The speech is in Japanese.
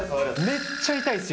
めっちゃ痛いですよ。